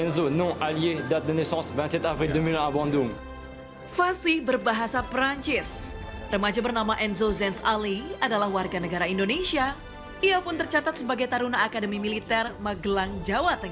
saya ingin mengucapkan nama enzo nama alias datang dari dua puluh tujuh april dua ribu di bandung